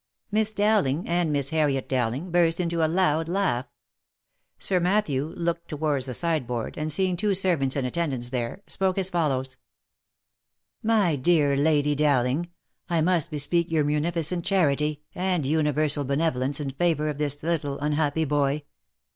Miss Dowling,* and Miss Harriet Dowling, burst into a loud laugh ; Sir Matthew looked towards the sideboard, and seeing two servants in attendance there, spoke as follows :" My dear Lady Dowling, I must bespeak your munificent cha rity, and universal benevolence in favour of this little unhappy boy.